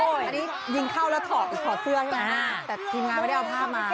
อันนี้ยิงเข้าแล้วถอดเสื้อใช่ไหมแต่ทีมงานไม่ได้เอาผ้ามา